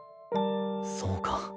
そうか。